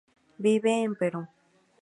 Vive en Perú.